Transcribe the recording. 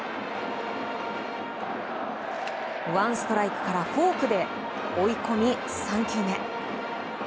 ワンストライクからフォークで追い込み３球目。